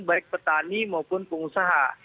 baik petani maupun pengusaha